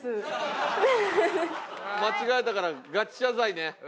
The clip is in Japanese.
間違えたからガチ謝罪ね。